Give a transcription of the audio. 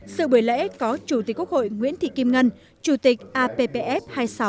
sự buổi lễ có chủ tịch quốc hội nguyễn thị kim ngân chủ tịch appf hai mươi sáu